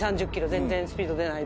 全然スピード出ない。